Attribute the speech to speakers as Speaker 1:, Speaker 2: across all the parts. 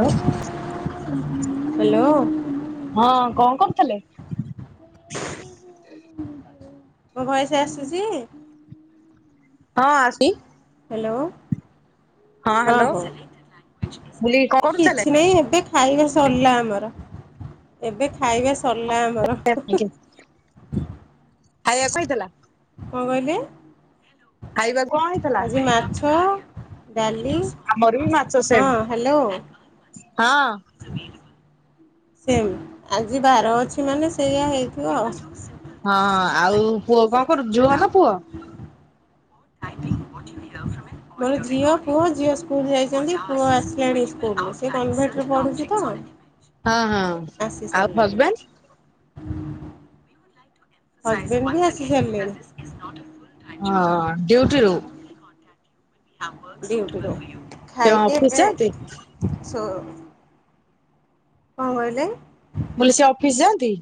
Speaker 1: Hello
Speaker 2: hello
Speaker 1: ହଁ କଣ କରୁଥିଲେ?
Speaker 2: ମୋ ଭଏଜ ଆସୁଛି?
Speaker 1: ହଁ ଆସୁଛି।
Speaker 2: ହ୍ୟାଲୋ ହଁ ହ
Speaker 1: ବୁଲି କଣ
Speaker 2: ଏ
Speaker 1: କରୁଥିଲେ?
Speaker 2: କିଛି ନାହିଁ ଏବେ ଖାଇବା ସରିଲା ଆମର, ଏବେ ଖାଇବା ସରିଲା ଆମର।
Speaker 1: ଆଜ୍ଞା ଖାଇବା କଣ ହେଇଥିଲା?
Speaker 2: କଣ କହିଲେ?
Speaker 1: ଖାଇବାକୁ କଣ ହେଇଥିଲା?
Speaker 2: ଆଜି ମାଛ, ଡାଲି
Speaker 1: ଆମର ବି ମାଛ
Speaker 2: ହଁ ହ୍ୟାଲୋ।
Speaker 1: ସେମ ହଁ।
Speaker 2: [unintelligible] ସେମ ଆଜି ବାର ଅଛି ମାନେ ସେଇଆ ହେଇଥିବ ଆଉ।
Speaker 1: ହଁ ଆଉ ପୁଅ କଣ କରୁଛି? ଝୁଅ ନା ପୁଅ?
Speaker 2: [unintelligible] ମୋର ଝିଅ, ପୁଅ, ଝିଅ ସ୍କୁଲ ଯାଇଛନ୍ତି ପୁଅ ଆସିଲାଣି ସ୍କୁଲରୁ ସେ କନଭେଣ୍ଟରେ ପଢୁଛି ତ
Speaker 1: ହଁ ହଁ। ଆଉ
Speaker 2: ଆସିସାରିଲାଣି।
Speaker 1: ହଜବେଣ୍ଡ
Speaker 2: ହଜବେଣ୍ଡ ଭି ଆସିସାରିଲେଣି।
Speaker 1: ହଁ ଡ୍ୟୁଟିରୁୁ ସେ
Speaker 2: ଖାଇକି
Speaker 1: ଅଫିସ
Speaker 2: ଏବେ
Speaker 1: ଯାଆନ୍ତି?
Speaker 2: ଶୋ କଣ କହିଲେ?
Speaker 1: ମୁଁ କହିଲି ସେ ଅଫିସ ଯାଆନ୍ତି?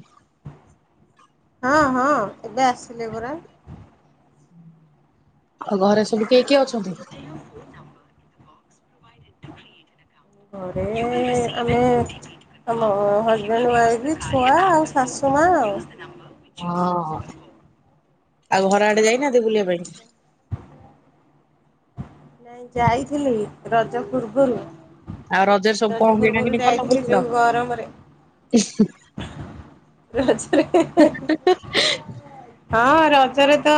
Speaker 2: ହଁ ହଁ, ଏବେ ଆସିଲେ ପରା।
Speaker 1: ଆଉ ଘରେ ସବୁ କିଏ କିଏ ଅଛନ୍ତି? [inaudible]
Speaker 2: ଘରେ ଆମେ ଆମ ହଜବେଣ୍ଡ ୱାଇଫ୍ ଛୁଆ ଆଉ ଶାଶୁମା ଆଉ।
Speaker 1: ହଁ ହ ଆଉ ଘର ଆଡେ ଯାଇନାହାନ୍ତି ବୁଲିବା ପାଇଁ?
Speaker 2: ନାଇଁ ଯାଇଥିଲି ରଜ ପୂର୍ବରୁ।
Speaker 1: ଆଉ ରଜରେ ସବୁ କଣ
Speaker 2: ରଜ
Speaker 1: କିଣା
Speaker 2: ପୂର୍ବରୁ
Speaker 1: କିିଣି କଲ
Speaker 2: ଯାଇଥିଲି
Speaker 1: ବୁଲିଲ?
Speaker 2: ଯୋଉ ଗରମରେ ରଜରେ ହଁ ରଜରେ ତ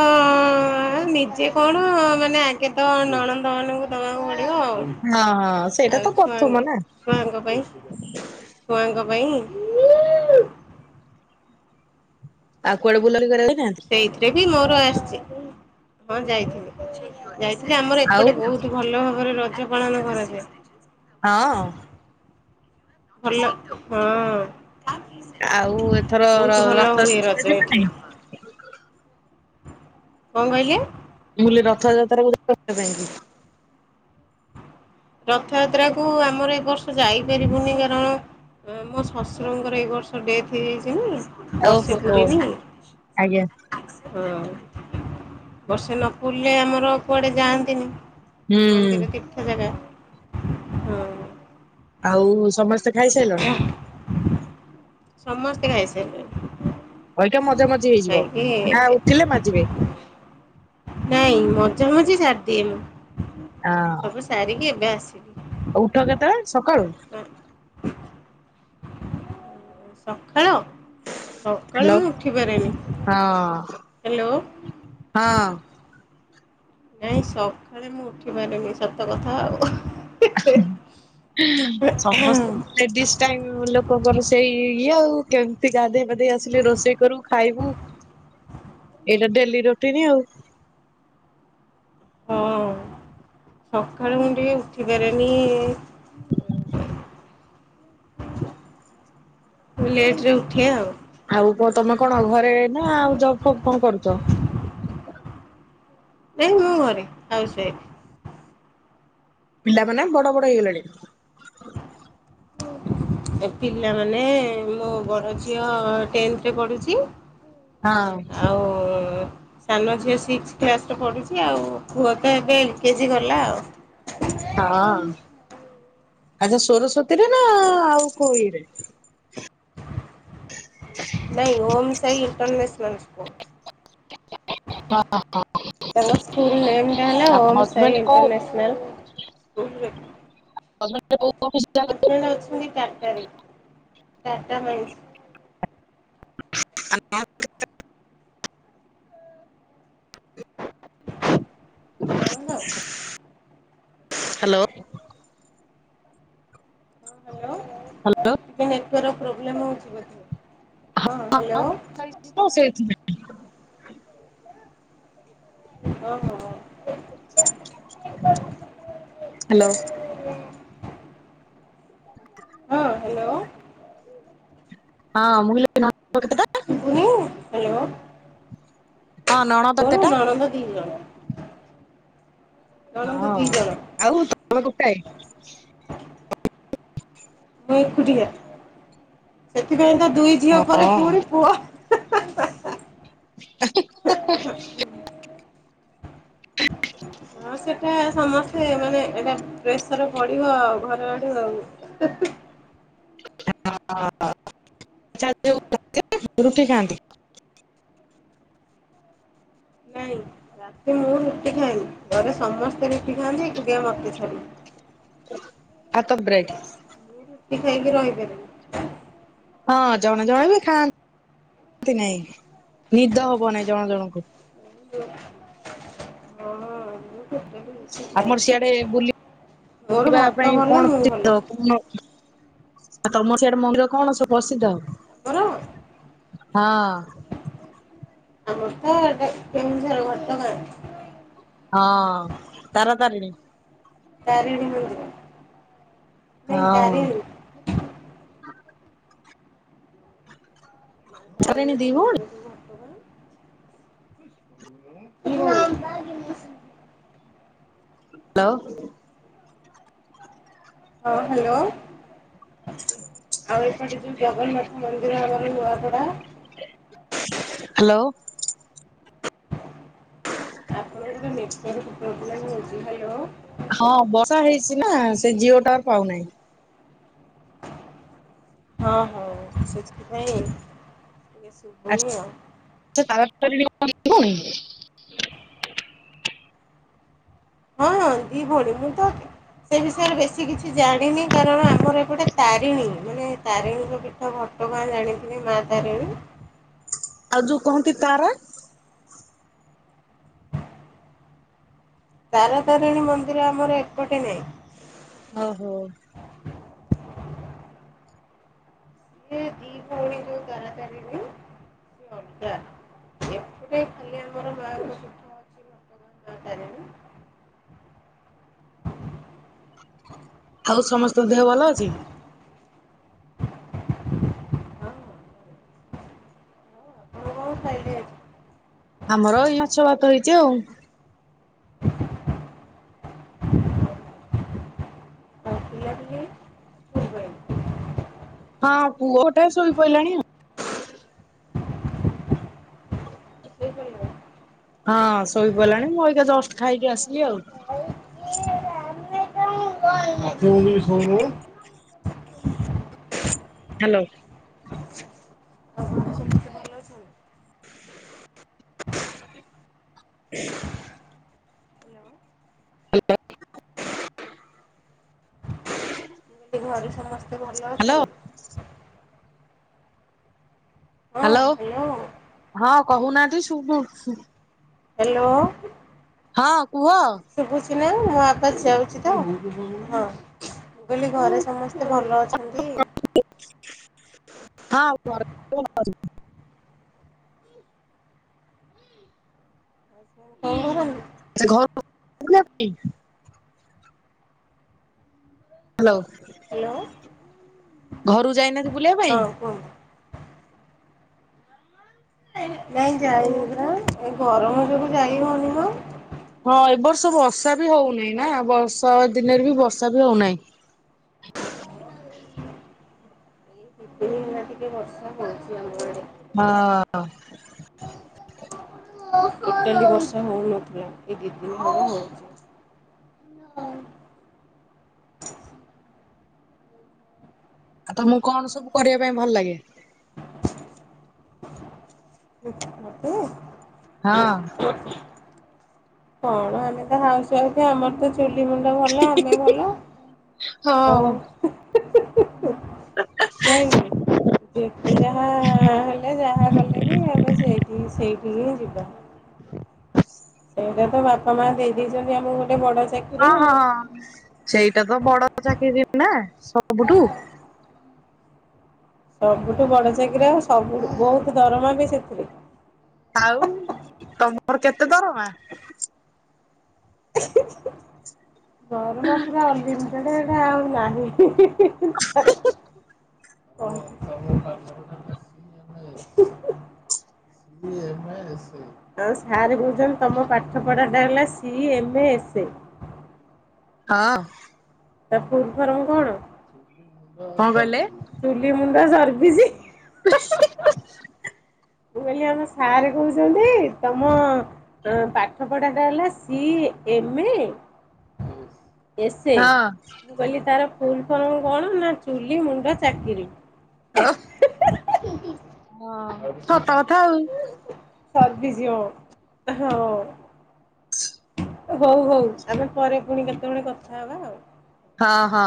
Speaker 2: ନିଜେ କଣ ମାନେ ଆଗେ ତ ନଣ ନହେଲେ ମୁଁ ଦବାକୁ ପଡ଼ିବ ଆଉ।
Speaker 1: ହଁ ହଁ। ସେଇଟା ତ
Speaker 2: ଆଉ
Speaker 1: ପ୍ରଥମ
Speaker 2: ଛୁଆଙ୍କ
Speaker 1: ନା
Speaker 2: ଛୁଆଙ୍କ ପାଇଁ ଛୁଆଙ୍କ ପାଇଁ
Speaker 1: ଆଉ କୁଆଡେ ବୁଲା ବୁଲି କରିବାକୁ ଯାଇନାହାନ୍ତି?
Speaker 2: ସେଇଥିରେ ବି ମୋର ଆସିଛି, ହଁ ଯାଇଥିଲି। ଯାଇଥିଲି ଆମର
Speaker 1: ଆଉ
Speaker 2: ଏପଟେ ବହୁତ ଭଲ ଭାବରେ ରଜ ପାଳନ କରାଯାଏ।
Speaker 1: ହଁ।
Speaker 2: ଭଲ, ହଁ।
Speaker 1: ଆଉ ଏଥର
Speaker 2: ବହୁତ ଭଲ ହୁଏ
Speaker 1: ରଥଯାତ୍ରା
Speaker 2: ରଜ
Speaker 1: ଯିବେ ନାଇଁ?
Speaker 2: ଏଠି। କଣ କହିଲେ?
Speaker 1: ମୁଁ କହିଲି ରଥଯାତ୍ରା ଦେଖାକରିବ ନାଇଁ କି?
Speaker 2: ରଥଯାତ୍ରାକୁ ଆମର ଏ ବର୍ଷ ଯାଇପାରିବୁନି କାରଣ ହଁ ମୋ ଶଶୁରଙ୍କର ଏଇ ବର୍ଷ ଡେଥ୍ ହେଇଯାଇଛି ନା ବର୍ଷେ
Speaker 1: ଓହୋ
Speaker 2: ପୁରୀନି ହଁ
Speaker 1: ଆଜ୍ଞା
Speaker 2: ବର୍ଷେ ନ ପୁରିଲେ ଆମର କୁଆଡେ ଯାଆନ୍ତିନି।
Speaker 1: ହୁଁ
Speaker 2: ମନ୍ଦିର ତୀର୍ଥ ଜାଗା ହଁ।
Speaker 1: ଆଉ ସମସ୍ତେ ଖାଇସାରିଲଣି?
Speaker 2: ସମସ୍ତେ ଖାଇସାରିଲେଣି।
Speaker 1: ଅଇଁଠା ମଜା ମଜି ହେଇଯିବ
Speaker 2: ଖାଇକି
Speaker 1: ନା
Speaker 2: ଏବେ
Speaker 1: ଉଠିଲେ ମାଜିବେ।
Speaker 2: ନାଇଁ ମଜା ମଜି ସାରିଦିଏ ମୁ ସବୁ ସାରିକି ଏବେ ଆସିଲୁ।
Speaker 1: ଆଉ ଉଠ କେତେବେଳେ? ସକାଳୁ
Speaker 2: ସଖାଳ ସକାଳୁ
Speaker 1: ହ୍ୟାଲୋ
Speaker 2: ମୁଁ ଉଠିପାରେନି
Speaker 1: ହଁ
Speaker 2: ହ୍ୟାଲୋ
Speaker 1: ହଁ।
Speaker 2: ନାଇଁ ସକାଳେ ମୁଁ ଉଠି ପାରୁନି ସତ କଥା ଆଉ।
Speaker 1: ସମସ୍ତେ। ଲେଡିସ ଟାଇମ ଲୋକଙ୍କର ସେଇ ଇଏ ଆଉ କେମିତି ଗାଧେଇ ପାଧେଇ ଆସିଲେ ରୋଷେଇ କରୁ ଖାଇବୁ। ଏଇଟା ଡେଲି ରୋଟିନ ଆଉ।
Speaker 2: ହଁ ସଖାଳୁ ମୁଁ ଟିକେ ଉଠିପାରେନି। ମୁଁ ଲେଟରେ ଉଠେ ଆଉ।
Speaker 1: ଆଉ କଣ ତମେ କଣ ଘରେ ନା ଆଉ ଜବ ଫବ କଣ କରୁଛ?
Speaker 2: ନାଇ ମୁଁ ଘରେ ହାଉସ୍ ୱଇଫ।
Speaker 1: ପିଲା ମାନେ ବଡ ବଡ ହେଇଗଲେଣି।
Speaker 2: ପିଲାମାନେ ମୋ ବଡ ଝିଅ ଟେନ୍ଥରେ ପଢୁଛି।
Speaker 1: ହଁ।
Speaker 2: ସାନ ଝିଅ ସିକ୍ସ କ୍ଲାସରେ ପଢ଼ୁଛି ଆଉ ପୁଅ ତ ଏବେ ଏଲ୍କେଜିି ଗଲା ଆଉ।
Speaker 1: ହଁ ଆଚ୍ଛା ସରସ୍ଵତୀ ରେ ନା ଆଉ କୋଉ ଇରେ? ହ [inaudible]
Speaker 2: ନାଇଁ ଓମ୍ ସାଇ ଇଣ୍ଟରନିୟାସନାଲ ସ୍କୁଲ।
Speaker 1: ହଁ [unintelligible]
Speaker 2: ତାଙ୍କ ସ୍କୁଲ ନେମ ଟା ହେଲା ଓମ ସାଇ
Speaker 1: ହଜବେଣ୍ଡ କୋଉ
Speaker 2: ଇଣ୍ଟରନ୍ୟାସନାଲ। ହଜବେଣ୍ଡ ଅଛନ୍ତି ଟାଟାରେ ଟାଟା ମାଇସ।
Speaker 1: ଆ [unintelligible]
Speaker 2: ତରଙ୍ଗ, [inaudible]
Speaker 1: ହ୍ୟାଲୋ।
Speaker 2: ହଁ ହ୍ୟାଲୋ ନେଟୱର୍କ ପ୍ରୋବ୍ଲେମ ହଉଛି ବଧେ। ହଁ ହ୍ୟାଲୋ।
Speaker 1: ହଁ ସେଥି [unintelligible]
Speaker 2: ହ ହ।
Speaker 1: ହ୍ୟାଲୋ।
Speaker 2: ହଁ ହ୍ୟାଲୋ।
Speaker 1: ହଁ ମୁ [unintelligible]
Speaker 2: ସୁବୁନି ଦ୍ହ୍ୟାଲୋ।
Speaker 1: ହଁ ନଣନ୍ଦ କେତେଟା?
Speaker 2: ନଣନ୍ଦ ଦିଜଣ। ନଣନ୍ଦ
Speaker 1: ହଁ
Speaker 2: ଦି ଜଣ
Speaker 1: ଆଉ ତ କୋଟାଏ
Speaker 2: ମୁ ଏକୁଟିଆ ସେଥିପାଇଁ ତ ଦୁଇ ଝିଅ
Speaker 1: ହଁ
Speaker 2: ପରେ ପୁଣି
Speaker 1: ଆଚ୍ଛା
Speaker 2: ପୁଅ।
Speaker 1: ଆ [unintelligible]
Speaker 2: ହଁ ସେଟା ସମସ୍ତେ ମାନେ ଏଟା ପ୍ରେସର ପଡିବ ଆଉ ଘର ଆଡୁଆଉ। ହ [unintelligible]
Speaker 1: ହଚଛା [unintelligible] ରୁଟିି ଖାନ୍ତି।
Speaker 2: ନଁ। ରାତି ମୁଁ ରୁଟି ଖାଏନି ଘରେ ସମସ୍ତେ ରୁଟି ଖାଆନ୍ତି ଏକୁଟିଆ ମତେ ଛାଡ଼ିକି।
Speaker 1: ହାତ ବ୍ରେଡ଼।
Speaker 2: ମୁଁ ରୁଟି ଖାଇକି ରହିପାରିବେ।
Speaker 1: ହଁ ଜଣେ ଜଣେ ବି ଖାଆନ୍ତିାଆନ୍ତି ନାଇଁ ନିଦ ହବ ନାଇଁ ଜଣ ଜଣଙ୍କୁ।
Speaker 2: ହୁ। [inaudible] କିଛି ଖାଏନି।
Speaker 1: ଆମର ସିଆଡେ
Speaker 2: ମୋର
Speaker 1: ବୁଲିବା
Speaker 2: ଭାତ
Speaker 1: ପାଇଁ
Speaker 2: ଭଲ
Speaker 1: କଣ
Speaker 2: ମୁଁ ଭଲ।
Speaker 1: କଣ? ଆଉ ତମ ସେଇଆଡ ମନ୍ଦିର କଣ ସବୁ ପ୍ରସିଦ୍ଧ ଆଉ?
Speaker 2: ଆମର।
Speaker 1: ହଁ।
Speaker 2: [unintelligible] [unintelligible]
Speaker 1: ହଁ ତାର ତାରିଣୀ।
Speaker 2: ତାରିଣୀ ମନ୍ଦିର ନାଇଁ
Speaker 1: ହଁ
Speaker 2: ତାରିଣୀ।
Speaker 1: ତାରିଣୀ ଦି ଭଉଣୀ
Speaker 2: [unintelligible] [unintelligible]
Speaker 1: ଆଉ।
Speaker 2: ହଁ ହ୍ୟାଲୋ। ଆଉ ଏପଟେ ଯୋଉ ଜଗନ୍ନାଥ ମନ୍ଦିର ଆମର ନୂଆପଡା।
Speaker 1: ହ୍ୟାଲୋ।
Speaker 2: ଆପଣଙ୍କର ନେଟୱାର୍କ ଫେଟୱର୍କ ଲାଗି ହଉଛି।
Speaker 1: ହଁ ବର୍ଷା ହେଇଛି ନା ସେ ଜିଓ ଗ୍ରଟାୱାର ପାଉନାହିଁ।
Speaker 2: ହଁ ହଁ ସେଥିପାଇଁ ଶୁଭୁନି ଆଉ।
Speaker 1: [inaudible]
Speaker 2: ହଁ ଦି ଭଉଣୀ ମୁ ତ ସେ ବିଷୟରେ ବେଶୀ କିଛି ଜାଣିନି କାରଣ ଆମର ଏପଟେ ତାରିଣୀ ମାନେ ତାରିଣୀଙ୍କ ପୀଠ ତ ଘଟଗାଁ ଜାଣିଥିଲି ମା ତାରିଣୀ।
Speaker 1: ଆଉ ଯୋଉ କହନ୍ତି ତାରା
Speaker 2: ତାର ତାରିଣୀ ମନ୍ଦିର ଆମର ଏପଟେ ନାହିଁ।
Speaker 1: ଓ ହୋ।
Speaker 2: ଏ ଦିଭଉଣୀ ଯୋଉ ତାରା ତାରିଣୀ। ଅଗା ଏଥି ଖାଲି ଆମର ମା ସୁଖ ଅଛି। [inaudible]
Speaker 1: ଆଉ ସମସ୍ତଙ୍କ ଦେହ ଭଲ ଅଛି?
Speaker 2: ହଁ, ହ ଖାଇିସାଇଲି। [unintelligible]
Speaker 1: ଆମର ଏଇ ମାଛ ଭାତ ହେଇଛି ଆଉ।
Speaker 2: [inaudible] ପାଇଁ
Speaker 1: ହଁ ପୁଅଟା ଶୋଇ ପଇଲାଣି ଆଉ।
Speaker 2: ଶୋଇପଡ଼ିଲେଣି?
Speaker 1: ହଁ ଶୋଇ-ପଇଲାଣି ମୁଁ ଏଇକା ଜଷ୍ଟ ଖାଇକି ଆସିଲି ଆଉ।
Speaker 2: ଆ କୁ ନେଅ ଟିକେ ଶୋଉନୁୁବେ।
Speaker 1: ହ୍ୟାଲୋ।
Speaker 2: ହ।
Speaker 1: ହ
Speaker 2: ହ୍ୟାଲୋ। ମୁଁ ଘରେ ସମସ୍ତେ ଭଲ
Speaker 1: ହ୍ୟାଲୋ
Speaker 2: ଅଛନ୍ତି?
Speaker 1: ହ୍ୟାଲୋ ହଁ କହୁନାହାନ୍ତି ସୁବୁଛି।
Speaker 2: ହ୍ୟାଲୋ।
Speaker 1: ହଁ କୁହ।
Speaker 2: ଶୁଭୁଛି ନା ମୋ ଆବାଜ୍ ତ ହଁ। ମୁ କହିଲି ଘରେ ସମସ୍ତେ ଭଲ ଅଛନ୍ତି?
Speaker 1: ହଁ
Speaker 2: [inaudible]
Speaker 1: ଘ [inaudible] ହ୍ୟାଲୋ।
Speaker 2: ହ୍ୟାଲୋ।
Speaker 1: ଘରୁ ଯାଇନାନ୍ତି
Speaker 2: ହଁ କୁହନ୍ତୁ। ନାଇଁ ଯାଇନି ପରା ଏ ଗରମ ଯୋଗୁ ଯାଇ ହଉନି ମ।
Speaker 1: ହଁ ଏବ ବର୍ଷ ବର୍ଷା ବି ହଉନାହିଁ ନା ବର୍ଷା ଦିନରେ ବି ବର୍ଷା ବି ହଉନାହିଁ।
Speaker 2: ଦି ଦିନ ହେଲା ଟିକେ ବର୍ଷା ହଉଛି ଆମଆଡେ।
Speaker 1: ହଁ।
Speaker 2: ଟୋଟାଲି ବର୍ଷା ହଉନଥିଲା ଏଇ ଦି ଦିନି ହବ ହଉଛି।
Speaker 1: ଆଉ ତମକୁ କଣ ସବୁ କରିବା ପାଇଁ ଭଲ ଲାଗେ?
Speaker 2: ମତେ [unintelligible]
Speaker 1: ହଁ।
Speaker 2: [inaudible] କଣ ଆମେ ତ ହାଉସ ୱାଇଫ ଆମର ତ ଚୁଲି ମୁଣ୍ଡ ଭଲ ଆମେ ଭଲ।
Speaker 1: ହଁ।
Speaker 2: ଆଉ ନାଇଁ ଯେତେ ଯାହା ହେଲେ ଯାହା କଲେ ବି ଆମେ ସେଇଠି ସେଇ ଇ ଯିବା ସେଇଟା ତ ବାପା ମା ଦେଇଦେଇଛନ୍ତି ଆମକୁ ଗୋଟେ ବଡ ଚାକିରି
Speaker 1: ହଁ
Speaker 2: ଆଉ।
Speaker 1: ହଁ ହଁ ସେଇଟା ତ ବଡ ଚାକିରି ନା ସବୁଠୁ
Speaker 2: ସବୁଠୁ ବଡ଼ ଚାକିରିଆ ସବୁ ବହୁତ ଦରମା ବି ସେଥିରେ।
Speaker 1: ଆଉ ତମର କେତେ ଦରମା?
Speaker 2: [inaudible] ଦରମା ପୁରା ଅନଲିମିଟେଡ ଏଟା ଆଉ ନାହିଁ।
Speaker 1: [inaudible]
Speaker 2: [inaudible] [unintelligible] ସାର ଜନ୍ ତମ ପାଠ ପଢାଟା ହେଲା ସି ଏମେ ଏସେ।
Speaker 1: ହଁ।
Speaker 2: ତା ଫୁଲ ଫର୍ମ
Speaker 1: କଣ
Speaker 2: କଣ
Speaker 1: କହିଲେ?
Speaker 2: ଚୁଲି ମୁଣ୍ଡା ସର୍ଭିସ୍।
Speaker 1: [inaudible]
Speaker 2: ମୁଁ କହିଲି ଆମ ସାର୍ କହୁଛନ୍ତି ତମ ପାଠ ପଢା ଟା ହେଲା ସି ଏମେ ଏସେ।
Speaker 1: ହଁ।
Speaker 2: କହିଲ ତାର ଫୁଲ ଫର୍ମ କଣ ନା ଚୁଲି ମୁଣ୍ଡ ଚାକିରି।
Speaker 1: ଓ ହ ସତ କଥା ଆଉ।
Speaker 2: ସବିଶି ହଁ ହଁ। ହଉ ହଉ ଆମେ ପରେ ପୁଣି କେତେବେଳେ କଥା ହବା ଆଉ।
Speaker 1: ହଁ ହଁ।